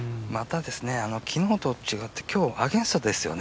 昨日と違って今日、アゲンストですよね。